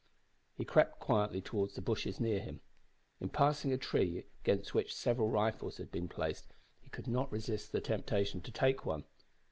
He crept quietly towards the bushes near him. In passing a tree against which several rifles had been placed he could not resist the temptation to take one.